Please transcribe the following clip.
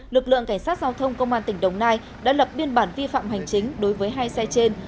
lực lượng cảnh sát giao thông công an tỉnh đồng nai đã lập biên bản vi phạm hành chính đối với hai xe trên